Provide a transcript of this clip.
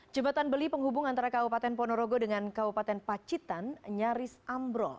jembatan beli penghubung antara kabupaten ponorogo dengan kabupaten pacitan nyaris ambrol